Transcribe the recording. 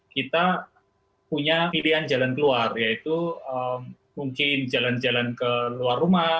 kita punya pilihan jalan keluar yaitu mungkin jalan jalan ke luar rumah